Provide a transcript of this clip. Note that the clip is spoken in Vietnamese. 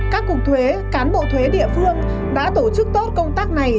các cục thuế cán bộ thuế địa phương đã tổ chức tốt công tác này